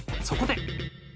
そこで。